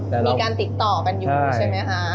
มีการติดต่อกันอยู่ใช่ไหมคะ